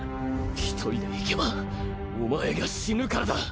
１人で行けばお前が死ぬからだ。